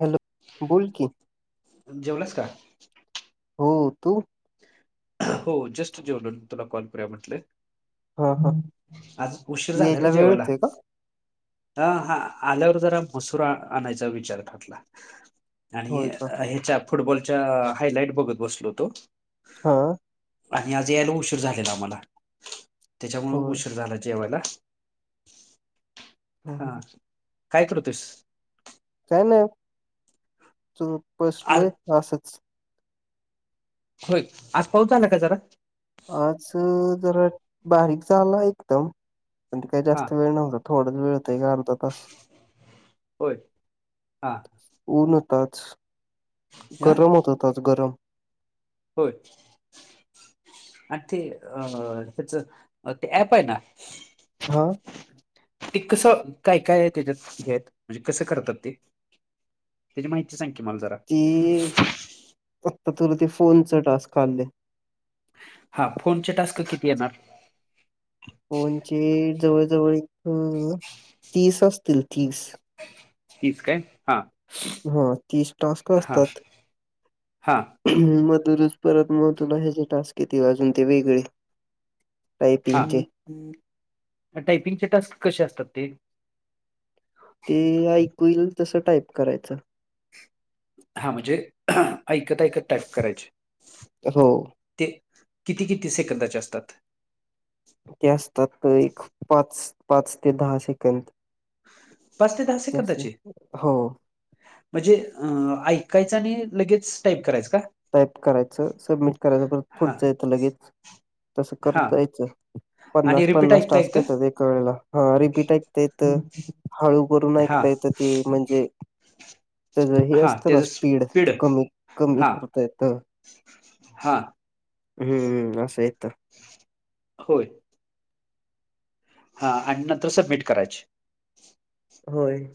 Hello बोल की जेवलंस का हो तू हो जस्ट जेवन तुला कॉल करूया म्हटले हा हा आज उशीर झाला रे यायला वेळ जेवला होते का ह हा आल्यावर जरा मसूर आणायचा विचार कररला आणि होय का ह्याच्या फुटबॉलच्या हायलाइट बघत बसलो तो हा आणि आज यायला उशीर झालेला आम्हाला त्याच्यामुळे होय उशीर झाला जेवायला हा काय करूतस काय नाही तू आ पसलोय असच होय आज पाऊस झाला काय जरा आज जरा बारीक झा आला एकदम पण ते काही हा जास्त वेळ नव्हत. थोडच वेळ होतंय अर्धा तास होय हा ऊन होताच हा गरम होत होताच गरम होय आणि ते अ त्याच ते ऍप आहे ना? हा ते कसं काय काय त्याच्यात हे म्हणजे कसं करतात. ते त्याची माहिती सांग की मला जरा ऊं आता तुला ते फोन च टास्क आलेय. हा, फोनचे टास्क किती येणार? फोन चे जवळजवळ एक तीस असतील, तीस. तीस काय, हा. हो तीस टास्क असतात. हां. मधुनच परत मग तुला ह्याचे टास्क येतील, अजून ते वेगळे. ह. टायपिंगचे. टायपिंगचे टास्क कसे असतात ते. ते ऐकु येईल तसं टाईप करायचं. हा म्. हणजे ऐकत ऐकत टाईप करायचे. हो. ते किती -किती सेकंदाचे असतात? ते असतात, एक पाच, पाच ते दहा सेकंद. पाच ते दहा सेकंदाचे [unintelligible] हो म्हणजे ऐकायचं आणि लगेच टाईप करायचं का? टाईप करायचं, सबमिट करायचं, परत हा पुढचं येतं लगेच. तसं हा करत रहायच आणि पन्नास रिपीट पन्नास ऐकता टास्क ऐकतं येतात. एक वेळेला हा रिपीट ऐकता येत, हळू करून हा ऐकता येत, ते म्हणजे त हे हा असतं ना, त्याचं स्पीड कमी, कमी हा करत हे हा असं येत. होय. हा, आणि नंतर सबमिट करायचे. होय.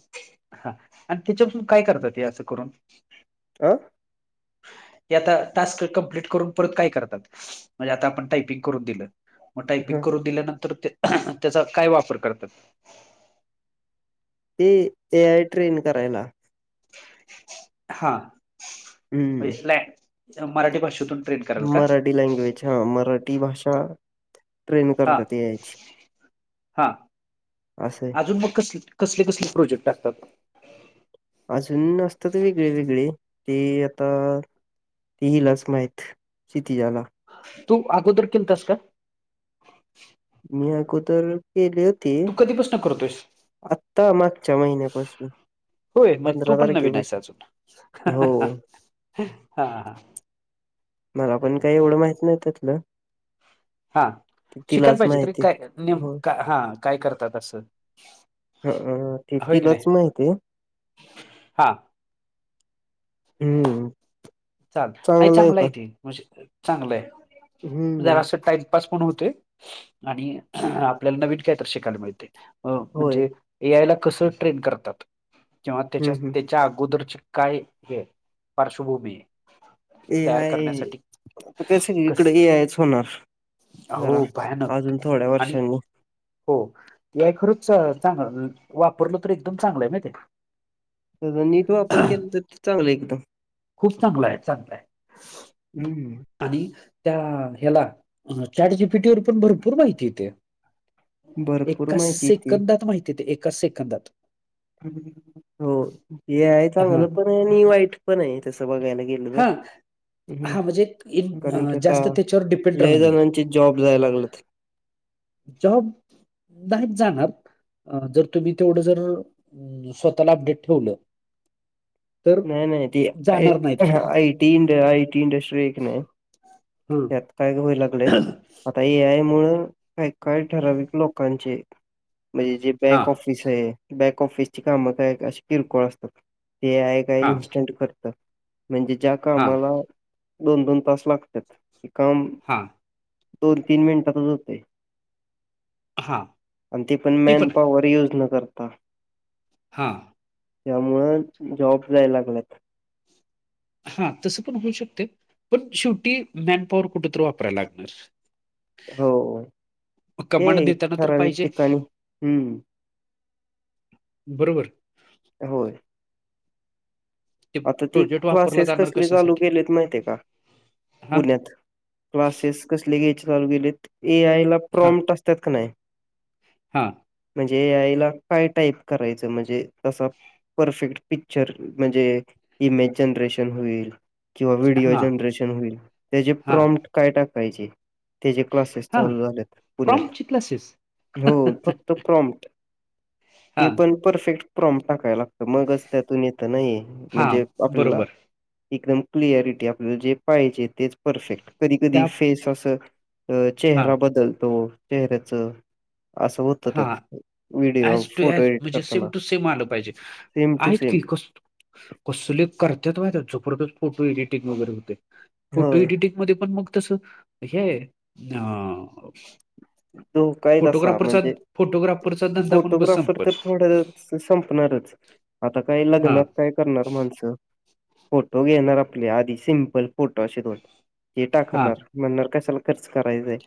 हा आणि त्याच्यापासून काय करतात? हे असं करून आं हे आता टास्क कमप्लीट करून परत काय करतात? म्हणजे आता आपण टायपिंग करून दिलं. मग ह टायपिंग करून दिल्यानंतर, त्याचा काय वापर करतात? ते ए आय ट्रेन करायला. हा हम्म [unintelligible] मराठी भाषेतून ट्रेन कराल का मराठी लँग्वेज, हा मराठी भाषा ट्रेन हा करतात ए आय ची हा असं आहे अजून मग क कसले कसले प्रोजेक्ट असतात? अजून असतात, वेगळे वेगळे ते आता ते हिलाच माहित, क्षितिजाला. तू आगोदर केलतास का? मी अगोदर केले होते. तू कधीपासून करतोयस? आत्ता, मागच्या महिन्यापासून. होय, मग तू पंधरा पण नवीन हायेस तारखेपासून हो अजून हा. मला पण काही एवढं माहित नाही त्यातलं, हा, ते शिकायला तिलाच पाहिजे रे माहिती काय नेम हो का हा काय करतात असं. ह ते होय की नाही तिलाच माहिती आहे. हा हम्. चाल नाही चांगलं आहे ते, म्हणजे चांगलंय जर हम्म असं टाईम पास होते आणि आपल्याला नवीन काय तरी शिकायला मिळते अ होय म्हणजे ए आय ला कसं ट्रेन करतात किंवा त्याच्या हम्म हम्म ते च्या आगोदरची काय हे पार्श्वभूमी ए तयार करण्यासाठी आय [unintelligible] इकड कस ए आयच होणार. बरा हो भयानक अजून थोड्या आणि वर्षांनी. हो, ए आय. खरच चांगलं वापरल तर एकदम चांगलं आहे. माहिती काय नीट वापर केला. तर ते चांगलं एकदम. खूप चांगलं आहे चांगलंय. हम् हम. आणि त्या ह्याला चॅट जीपीटी वर पण भरपूर माहिती येते. भरपूर एका माहिती येती. सेकंदात माहितीेते एका सेकंदात. हो हे आहे हा चांगलं पण आहे. आणि वाईट पण आहे तस बघायला गे. हा हां, म्हणजे इन कारण अ, की आता जास्त त्याच्यावर डिपेंड राहू लय नये. जणांची. जॉब जाय लागलं ते. जॉब नाहीत जाणार जर तुम्ही तेवढं जर. स्वतःला अपडेट ठेवलं. तर नाही नाही ती जाणार नाहीत. आय टी इंड आय टी इंडस्ट्री एक नाही. हं. त्यात काय होऊ लागलंय. आता ए आय मुळ काय काय ठराविक लोकांचे म्हणजे जे हां, बॅक ऑफ. बॅक ऑफिस ची काम का अशी किरकोळ असतात ते ए आय. काही हां, इनस्टंट करत म्हणजे ज्या हां, कामाला दोन दोन तास लागतो. त्यात एकाम. हा. दोन तीन मिनिटातच होते. हां. आणि ती पण ते आहे. मॅनपॉवर यूज न करता. हां. त्यामुळं जॉब जाय लागलेत. हा तसं पण होऊ शकते पण शेवटी मॅनपॉवर कुठंतरी वापरायला लागणार. हो ते कमांड देताना तर ठराविक पाहिजे. ठिकाणी हम्म बरोबर होय. ते आता ती प्रोजेक्ट वापरला क्लासेस जाणार कसले चालू कशासाठी? केलेत माहिती का हां, पुण्यात. क्लासेस कसले घ्यायचे चालू गेलेत ए आयला हां, प्रॉम्ट असतात का नाही. हां. म्हणजे एआईला काय टाईप करायचं म्हणजे तसं. परफेक्ट पिक्चर म्हणजे. इमेज जनरेशन होईल किंवा व्हिडिओ हां, जनरेशन होईल त्याचे हां, प्रॉम्प्ट. काय टाकायचे. त्याचे क्लासेस हां. चालू झालेत पुण्यात प्रॉम्प्टचे क्लासेस. हो फक्त प्रॉम्ट. हा. परफेक्ट प्रॉम् टाकायला लागत मगच त्यातून येत नाही हां, म्हणजे आपल्याला. बरोबर. एकदम क्लिअरिटी आपल्यालं जे पाहिजे तेच परफेक्ट कधी कधी त्या फेस असं. अ हां. चेहरा बदलतो चेहऱ्याच. [unintelligible] हा video S to photo S edit म्हणजे करताना सेम टू सेम आलं पाहिजे सेम टू आहेत सेम की कस. कसले करत व त्या झोपडतच फोटो एडिटिंग वगैरे होते फोटो होय एडिटिंग. म पण मग तस हे अ तो काही तसा म्हणजे. फोटोग्राफरचा धंदा पण बस फोटोग्राफर तर संपत थोड्या संपणारच. आता काय हा लग्नात काय. करणार माणसं फोटो घेणार आपले आधी सिमपल फोटो असे दोन. हे हा टाकणार म्हणणार कशाला खर्च करायचांय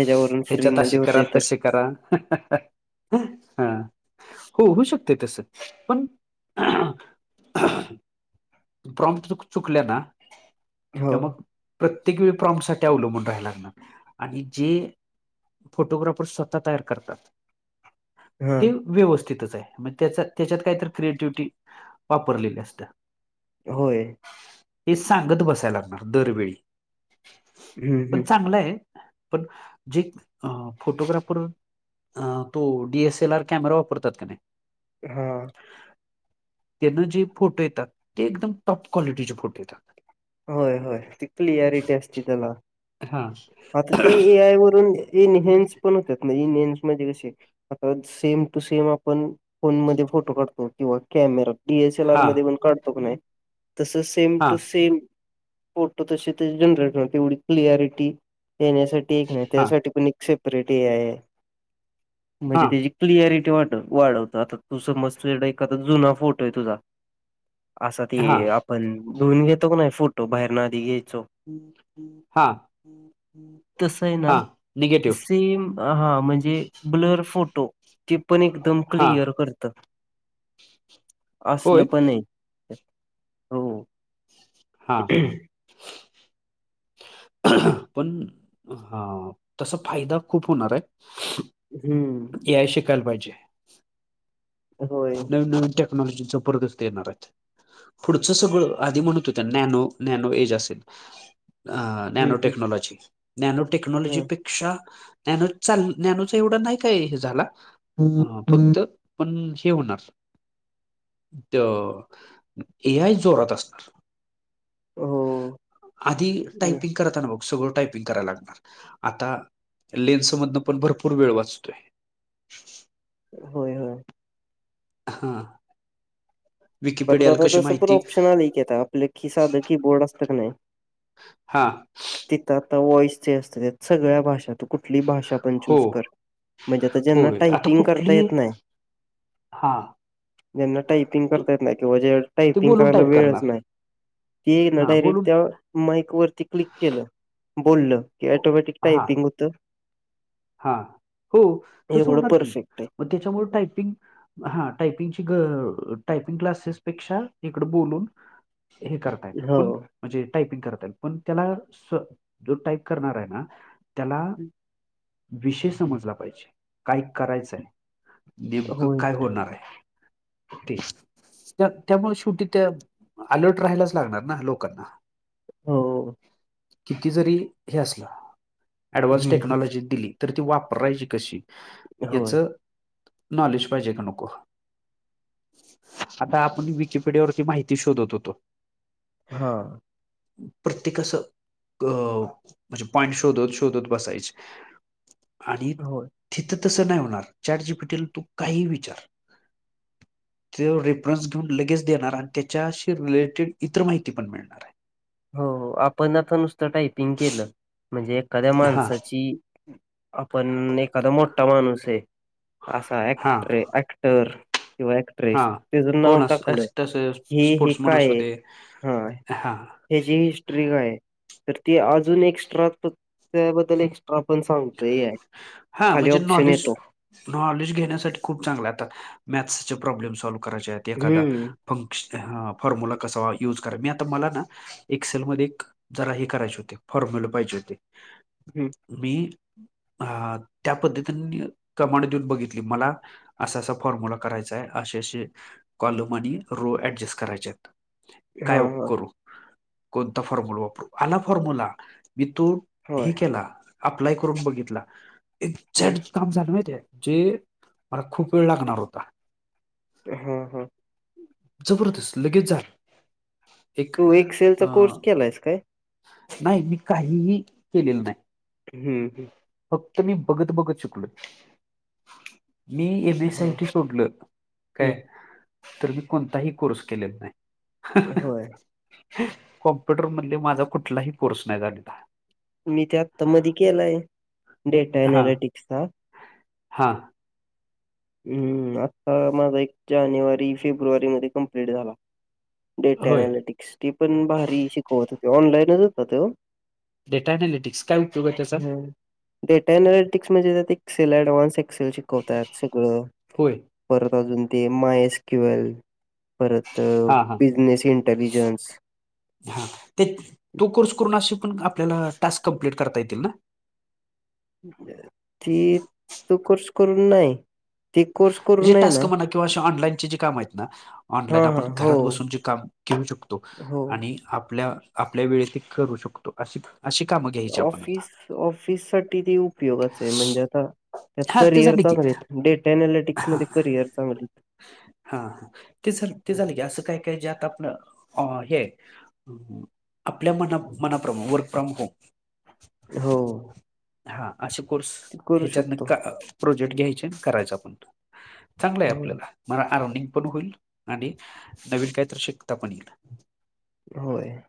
हच्यावरून. ह्याच्यातशी करा तसे करा हा. हो होऊ शकते तस पण. प्रॉम चुकले ना किं हो मग प्रत्येक वेळी प्रॉम्प्टसाठीअवलंबून राहायला लागणार. आणि जे फोटोग्राफर स्वतः तयार करतात. हा ते व्यवस्थितच आहे म्ह त्या त्याच्यात काहीत क्रिएटिव्हटी वापरलेली असत. होय हे सांगत बसायला लागणार दरवेळी हम्म पण हम्म चांगलं आहे पण जे अ फोटोग्राफर अ तो डीएसएल आर कॅमेरा वापरतात का नाही हा त्यांना जे फोटो येतात ते एकदम टॉप क्वालिटीचे फोटो येतात होय होय ती क्लियारिटी असते त्याला हा आता ते ए आय वून एन हेन्स पण होतात ना इनहेन्स म्हण कसे आता सेम टू सेम आपण फोनमध्ये फोटो काढतो किंवा कॅमेरात डीएस एल आर हा मध्ये पण काढतो प नाही तस सेम हा टू सेम फोटो तसे ते जनरेट तेवढी क्लिअरिटी येण्यासाठी एक नाही हा त्यासाठी पण सेपरेट आहे हा म्हणजे तची क्लिअरिटी वा वाढवत आता तू समज त एख जुना फोटो आहे तुझा असा ते हा आपण धुऊून घेतो का नाही फोटो बाहेरन आधी घ्यायचो हा तस आहे ना हां ते निगेटिव्ह. सेम हा म्हणजे ब्लर फोटो ते पण एकदम हां. क्लिअर करते असल होय. पण हो हा हा पण ह तसा फायदा खूप होणार आहे हम्म या शिकायला पाहिजे होय नवीन नवीन टेक्नॉलॉजी ज पररदस्त येणार आहेत पुढचं सगळं आधी म्हणत होत नॅनो नॅनो एज असेल अ हम्म नॅनो हम्म टेक्नॉलॉजी नॅनो हा टेक्नॉलॉजी पे ानू चाल नॅानूच एवढं नाही काय हे झाला ह फक्त पण हे होणार ए आय जोरात असणार हो. अध हम्म. टयपिंग ता सगळं टायपिंग करायला लागणार आता लेन्स मधन पण भरपूर वेळ वाचतोय होय होय हा परत आ तसं पण ऑप्शन आलक येत आपलं खिसाध की बोर्ड असतं का नाही हा तिथं आता वॉईसचे असतते सगळ्या भाषा कुठली भाषा चू हो कर म्हणजे आता ज्यांना होय टायपिंग करता येत नाही हा ज्यांना टायपिंग करता येत नाही किंवा जे ते टायपिंग बोलून करायला टाईप वेळच करणार नाही. ह ना हां बोलून डायरेक्ट- माईक वरती क्लिक केलं बोललं की ऑटोमॅटिक टायपिंग होतं. हा हो तसं एवढं होणार की परफेक्ट आहे. मग त्याच्यामुळे टायपिंग- हा टायपिंगची टायपिंग क्लासेसपेक्षा इकड बोलून, हे करताय ना हो. पण, म्हणजे टायपिंग करता येईल पण त्याला जो टाईप करणार आहे ना त्याला. हम् [inaudible] विषय समजला पाहिजे काय करायचं हाय. नेमकं होय. काय होणार आहे. ते त्या त्यामुळे शेवटी त्या अलर्ट राहायलाच लागणार ना लोकांना. हो. किती जरी हे असलं ऍडव्हान्स हं, हं. टेक्नॉलॉजी दिली तरी ती वापरायची कशी. होय. याचं नॉलेज पाहिजे का नको. आता आपण विक पिढ्यावरती माहिती शोधत होतो. हा प्रत्येक असं ग म्हणजे पान शोधत शोधत बसायचे. आणि होय. तिथं तसं नाही होणार चॅट जी पेटीला तू काही विचार. [inaudible] जेवढे रेफरन्स लगेच देणार आणि त्याच्याशी रिलेटेड इतर माहिती पण मिळणार आहे. हो आपण आता नुसतं टायपिंग केलं म्हणजे एखाद्या आहे हा माणसाची आपण एखादा मोठा माणूस आहे असा हा ऍक्टर हाय ऍक्टर. किंवा हा ऍक्ट्रेस त्याच नाव कोण अस टाकलं तस की हे काय? हां ह जी हिस्ट्री काय तर ती अजून एक्स्ट्रा त्याबद्दल ए क्स्ट्रा आपण सांगतोय हा खाली म्हणजे ऑप्शन नॉलेज येतो. नॉलेज घेण्यासाठी खूप चांगलं आता मॅथ्सचे प्रॉब्लेम सॉल्व करायचे आहेत एखादा. हं. फंक्श फॉर्म्यला कसा युज करा मी आता मला ना. एक्सेलमध्येक जरा हे करायचे होते फॉर्मुल पाहिजे होते. हम् मी हा त्या पद्धतीने कमांड देऊन बघितली मला असा असा फॉर्म्यला करायचा आहे. असेे असे कॉलम आणि रो ऍडजस्ट करायचे आहेत. काय हां, हां. करू कोणता फॉर्म्यला वापरू आला फॉर्म्यला मी तो होय. हे केला अप्लाय करून बघितला हं एझट काम झालं माहितेय जे मला खूप वेळ लागणार होता. हा हा. जबरदस्त लगेच झालं. एक तू एक्सेल चा अं, कोर्स केलायस काय? नाही मी काहीही केलेलं नाही. हम्म हम् फक्त मी बघत बघत शिकलो. मी एम ए होय. सायटी सोडलं काय हं तर मी कोणताही कोर्स केलेला नाही. हं हं होय. अ कॉम्प्युटर मधले माझा कुठलाही कोर्स नाही झालेला. मी ते आत्ता मधी केलाय डेटा हा अनलिटिक्सचा. हा. हम्म आता माझा एक जानेवारी फेब्रुवारी मध्ये कम्प्लीट झाला. डेटा होय अनालिटिक्स ते पण भारी शिकवत होते. ऑनलाईनच होता तो. डेटा अनलिट्स कायपयोग आहे त्याचा हं. डेटा अनालिटिक्स म्हणजे त्यात एक्सेल ऍडव्हान्स एक्सेल शिकवतात सगळं. होय परत अजून ते माय एस क्युएल परत हा हा बिजनेस इंटेलिजन्स. हा ते तू कोर्स करून आशे पण आपल्याला टास्क कंप्लीट करता येतील ना. ती तू कोर्स करून नाही ती कोर्स करून म्हणजे आहे ना टास्क म्हणा किंवा असे ऑनलाईनचे जे काम आहेत ना. ऑनलाईन हां, आपण हां. हो, घरात बसून जे काम घेऊ शकतो हो. आणि आपल्या आपल्या वेळे ते करू [unintelligible] शकतो अशी अशी कामं. घ्यायची आपण आता ऑफिस ऑफिस साठी ते उपयोगाच आहे म्हणजे आता त्यात हा ते करिअर झाले की चांगले हाईत. डेटा अननालिटिक्स हा मध्ये करिअर चांगलं. हा हा ते ते झालं की असं काय काय जे आता आपण हे. आपल्या मना मनाप्रमा वर्क फ्रॉम होम. हो, हा असे कोर्स ते करू ह्याच्यात न शकतो. का- प्रोजेक्ट घ्यायचे करायचं आपण. चांगला आहे होय, आपल्याला मला आर्निंग पण होईल आणि नवीन काहीतरी शिकता पण येईल होय